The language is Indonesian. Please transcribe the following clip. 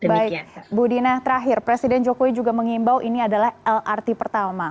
baik bu dina terakhir presiden jokowi juga mengimbau ini adalah lrt pertama